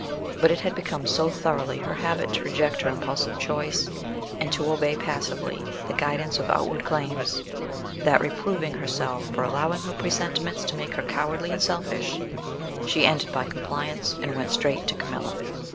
But it had become so thoroughly her habit to reject her impulsive choice, and to obey passively the guidance of outward claims, that, reproving herself for allowing her presentiments to make her cowardly and selfish, she ended by compliance, and went straight to Camilla.